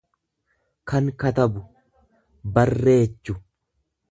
kan katabu, barreechu.